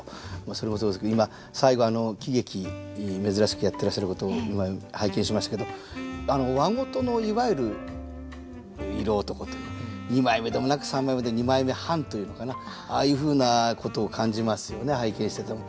それもそうですけど今最後喜劇珍しくやってらっしゃることを今拝見しましたけど和事のいわゆる色男という二枚目でもなく三枚目で二枚目半というのかなああいうふうなことを感じますよね拝見してても。